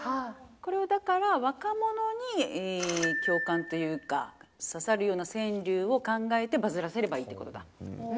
これをだから若者に共感というか刺さるような川柳を考えてバズらせればいいって事だ。